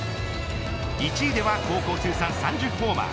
１位では高校通算３０ホーマー